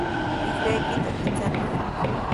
Pisqaykita pichakuy.